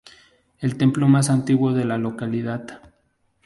El templo más antiguo de la localidad.